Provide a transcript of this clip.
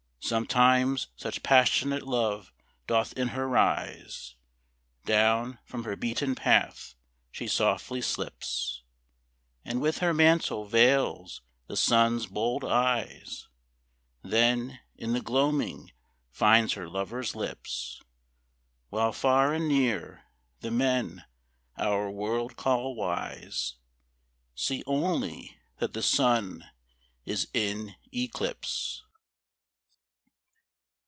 Sometimes such passionate love doth in her rise, Down from her beaten path she softly slips, And with her mantle veils the Sun's bold eyes, Then in the gloaming finds her lover's lips. While far and near the men our world call wise See only that the Sun is in eclipse.